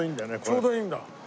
ちょうどいいんだ。